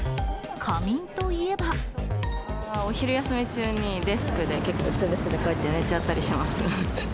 お昼休み中に、デスクで結構、うつ伏せでこうやって寝ちゃったりします。